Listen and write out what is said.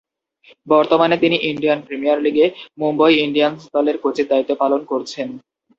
বর্তমানে তিনি Indian premier লীগে মুম্বই ইন্ডিয়ান্স দলে কোচের দায়িত্ব পালন করছেন।